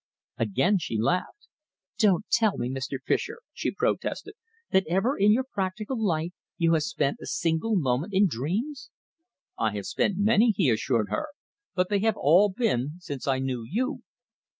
Again she laughed. "Don't tell me, Mr. Fischer," she protested, "that ever in your practical life you have spent a single moment in dreams?" "I have spent many," he assured her, "but they have all been since I knew you."